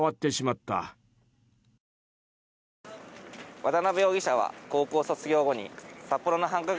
渡邉容疑者は高校卒業後に札幌の繁華街